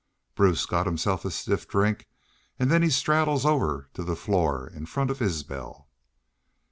Bruce got himself a stiff drink an' then he straddles over the floor in front of Isbel.